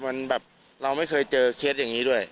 มันแบบเราไม่เคยเจอเคสอย่างนี้ด้วย